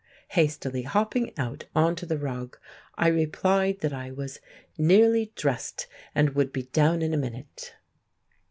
Hastily hopping out on to the rug, I replied that I was "nearly dressed, and would be down in a minute."